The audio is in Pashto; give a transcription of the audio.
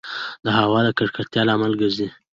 د هــوا د ککــړتـيـا لامـل ګـرځـي